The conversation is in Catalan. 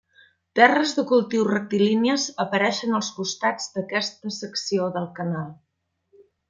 Terres de cultiu rectilínies apareixen als costats d'aquesta secció del canal.